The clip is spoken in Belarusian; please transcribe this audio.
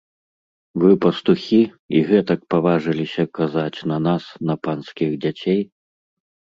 Вы пастухі і гэтак паважыліся казаць на нас, на панскіх дзяцей!?